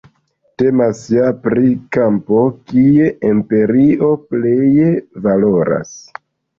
Temas ja pri kampo, kie empirio pleje valoras.